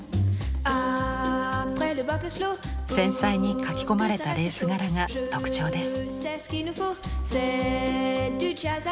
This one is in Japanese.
繊細に描き込まれたレース柄が特徴です。